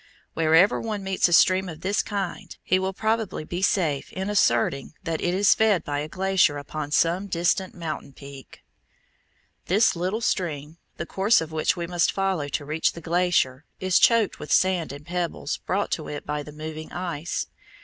Wherever one meets a stream of this kind, he will probably be safe in asserting that it is fed by a glacier upon some distant mountain peak. This little stream, the course of which we must follow to reach the glacier, is choked with sand and pebbles brought to it by the moving ice.